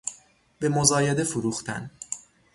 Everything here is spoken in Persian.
به مزایده فروختن